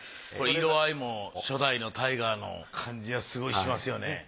これ色合いも初代のタイガーの感じがすごいしますよね。